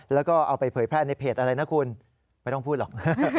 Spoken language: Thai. แล้วก็เอาไปเผยแพร่ในเพจอะไรนะคุณไม่ต้องพูดหรอก